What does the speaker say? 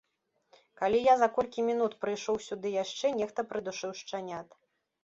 Калі я за колькі мінут прыйшоў сюды яшчэ, нехта прыдушыў шчанят.